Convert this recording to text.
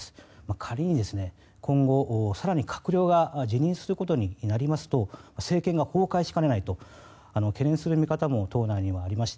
仮に今後、更に閣僚が辞任することになりますと政権が崩壊しかねないと懸念する見方も党内にはありまして